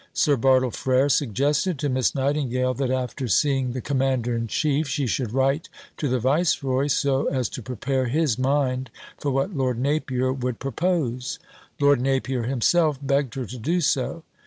Sir Bartle Frere suggested to Miss Nightingale that after seeing the Commander in Chief she should write to the Viceroy so as to prepare his mind for what Lord Napier would propose. Lord Napier himself begged her to do so.